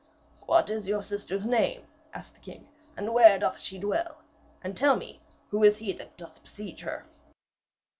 'What is your lady sister's name?' asked the king, 'and where doth she dwell, and tell me who is he that doth besiege her?'